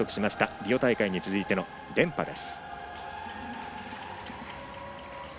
リオ大会に続いての連覇です。